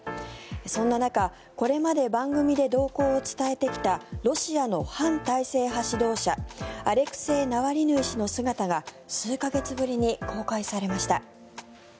そんな中、これまで番組で動向を伝えてきたロシアの反体制派指導者アレクセイ・ナワリヌイ氏の姿が数か月ぶりに公開されました。